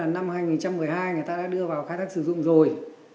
năm hai nghìn một mươi hai người ta đã đưa vào khai thác sử dụng rồi